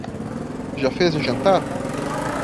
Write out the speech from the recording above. Já fez o jantar?